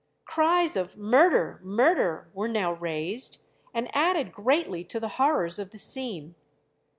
Cries of Murder! murder! were now raised, and added greatly to the horrors of the scene.